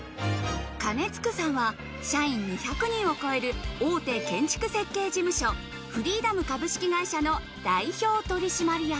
鐘撞さんは社員２００人を超える大手建築設計事務所、ＦＲＥＥＤＯＭ株式会社の代表取締役。